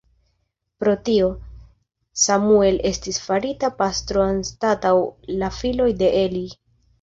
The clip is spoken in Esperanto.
Pro tio, Samuel estis farita pastro anstataŭ la filoj de Eli.